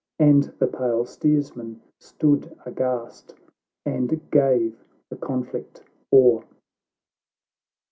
And the pale steersman stood aghast, And gave the conflict o'er.